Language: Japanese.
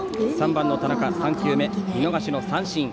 ３番の田中、３球目、見逃し三振。